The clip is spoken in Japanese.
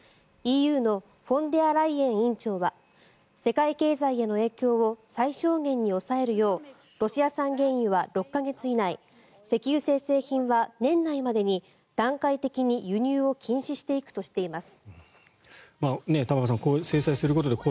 ＥＵのフォンデアライエン委員長は世界経済への影響を最小限に抑えるようロシア産原油は６か月以内石油精製品は年内までに段階的に輸入を禁止していくとしています。